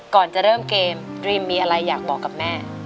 ก่อนจะเริ่มเกมดรีมมีอะไรอยากบอกกับแม่